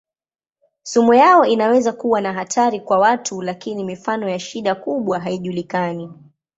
Sumu yao inaweza kuwa na hatari kwa watu lakini mifano ya shida kubwa haijulikani.